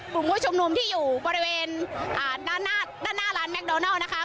กลุ่มผู้ชุมนุมที่อยู่บริเวณด้านหน้าด้านหน้าร้านแมคโดนัลนะคะ